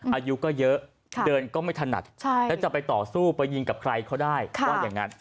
อายุก็เยอะเดินก็ไม่ถนัดแล้วจะไปต่อสู้ไปยิงกับใครเขาได้ว่าอย่างนั้น